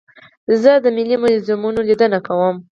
زه د ملي موزیمونو لیدنه کوم.